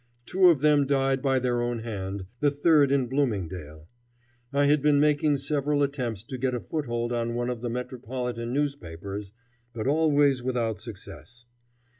Two of them died by their own hand, the third in Bloomingdale. I had been making several attempts to get a foothold on one of the metropolitan newspapers, but always without success.